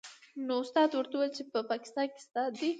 نو استاد ورته وویل چې په پاکستان کې شته دې.